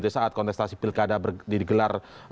saat kontestasi pilkada digelar